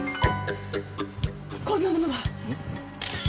こんなものが！ん？